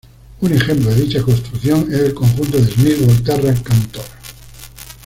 Un ejemplo de dicha construcción es el conjunto de Smith-Volterra-Cantor.